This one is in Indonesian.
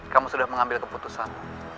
kamu sudah mengambil keputusan